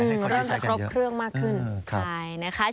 เริ่มจะครบเครื่องมากขึ้น